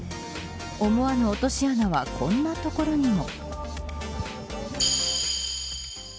思わぬ落とし穴はこんなところにも。